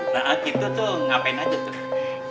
nah gitu tuh ngapain aja tuh